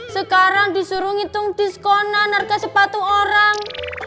sekarang disuruh ngitung diskonan harga sepatu orang